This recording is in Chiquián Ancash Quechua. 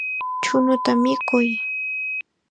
Chuñuta mikuy.